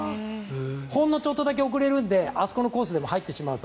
ほんのちょっとだけ遅れるのであそこのコースでも入ってしまうと。